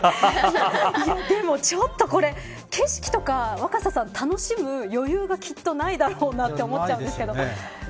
でも、ちょっとこれ景色とか若狭さん楽しむ余裕がきっとないだろうなと思っちゃうんですけど。